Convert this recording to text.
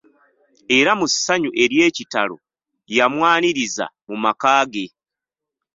Era mu ssanyu ery'ekitalo, yamwaniriza mu maka ge.